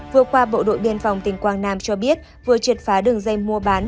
vừa qua bộ đội biên phòng tỉnh quảng nam cho biết vừa triệt phá đường dây mua bán